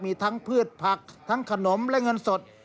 มีทั้งพืชผักทั้งขนมและเงินสด